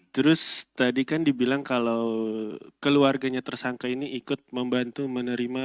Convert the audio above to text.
terus tadi kan dibilang kalau keluarganya tersangka ini ikut membantu menerima